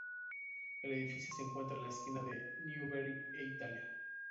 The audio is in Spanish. El edificio se encuentra en la esquina de Newbery e Italia.